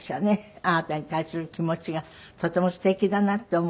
あなたに対する気持ちがとてもすてきだなって思う。